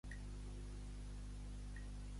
Les rutes següents s'ubiquen dins la ciutat de Milaca.